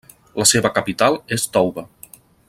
La seva capital és Touba.